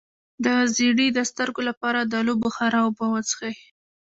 د زیړي د سترګو لپاره د الو بخارا اوبه وڅښئ